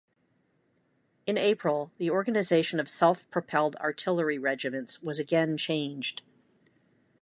In April, the organization of self-propelled artillery regiments was again changed.